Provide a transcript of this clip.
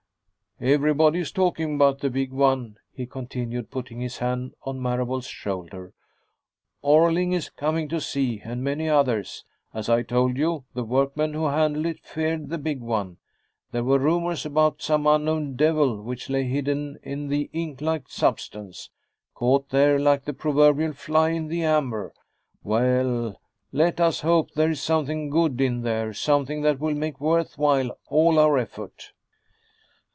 "Everybody is talking about the big one," he continued, putting his hand on Marable's shoulder. "Orling is coming to see, and many others. As I told you, the workmen who handled it feared the big one. There were rumors about some unknown devil which lay hidden in the inklike substance, caught there like the proverbial fly in the amber. Well, let us hope there is something good in there, something that will make worth while all our effort."